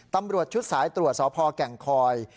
ตำรวจชุดสายตรวจสพแก่งคอย